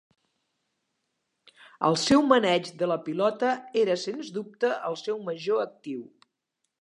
El seu maneig de la pilota era sens dubte el seu major actiu.